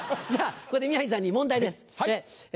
じゃあここで宮治さんに問題です。